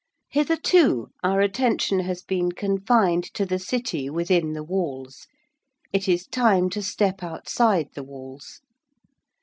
Hitherto our attention has been confined to the City within the walls. It is time to step outside the walls.